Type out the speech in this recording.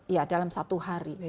ya dalam satu hari